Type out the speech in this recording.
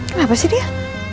kenapa sih dia